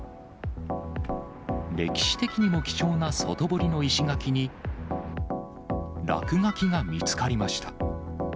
歴史的にも貴重な外堀の石垣に、落書きが見つかりました。